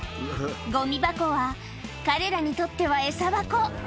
ごみ箱は彼らにとっては餌箱。